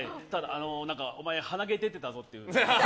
お前、鼻毛出てたぞって。